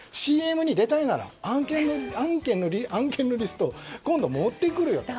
ＣＭに出たいなら案件のリストを今度、持ってくるよと。